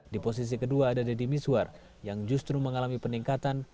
di posisi kedua ada deddy miswar yang justru mengalami peningkatan